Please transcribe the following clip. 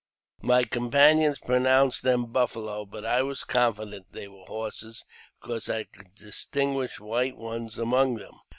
My companions pronounced them buffalo, but I was confident they were horses, because I could distinguish white ones among them.